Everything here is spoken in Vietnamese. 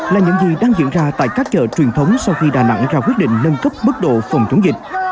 là những gì đang diễn ra tại các chợ truyền thống sau khi đà nẵng ra quyết định nâng cấp mức độ phòng chống dịch